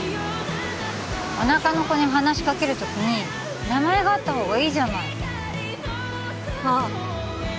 おなかの子に話しかける時に名前があった方がいいじゃないあっ